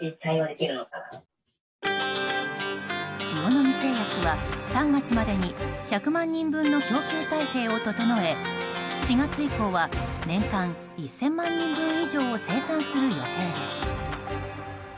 塩野義製薬は、３月までに１００万人分の供給体制を整え４月以降は年間１０００万人分以上を生産する予定です。